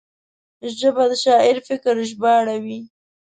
ژبه د شاعر فکر ژباړوي